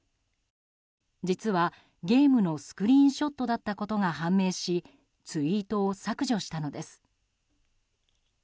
実はゲームのスクリーンショットだったことが判明しツイートを削除したのです。